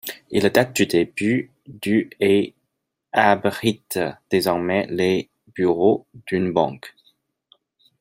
Il date du début du et abrite désormais les bureaux d'une banque.